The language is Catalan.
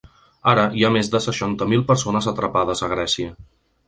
Ara hi ha més de seixanta mil persones atrapades a Grècia.